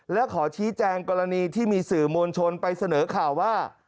และขอชี้แจงกรณีที่มีสื่อมวลชนไปเสนอข่าวว่า